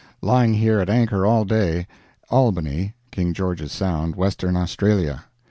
Lying here at anchor all day Albany (King George's Sound), Western Australia.